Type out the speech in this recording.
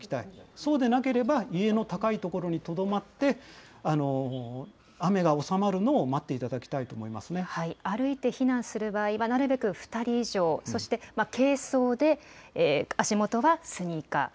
そうでなければ、家の高い所にとどまって、雨が収まるのを待って歩いて避難する場合は、なるべく２人以上、そして軽装で、足元はスニーカー。